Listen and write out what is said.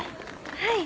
はい。